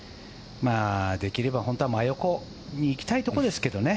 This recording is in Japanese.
できれば本当は真横に行きたいところですけどね